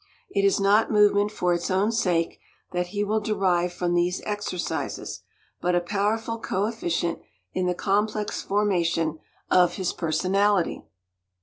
It is not movement for its own sake that he will derive from these exercises, but a powerful co efficient in the complex formation of his personality.